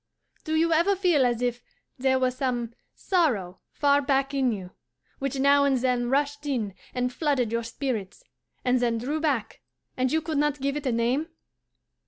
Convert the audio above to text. Do you ever feel as if there were some sorrow far back in you, which now and then rushed in and flooded your spirits, and then drew back, and you could not give it a name?